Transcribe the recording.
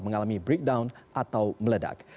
mengalami breakdown atau meledak